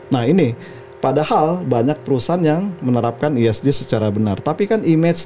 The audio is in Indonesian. nah ini padahal banyak perusahaan yang menerapkan esg secara benar tapi kan image